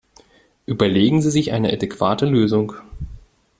Überlegen Sie sich eine adäquate Lösung!